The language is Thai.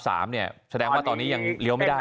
แสดงว่าตอนนี้ยังเลี้ยวไม่ได้